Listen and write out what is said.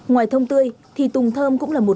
ngoài thông tươi thì tùng thơm cũng là một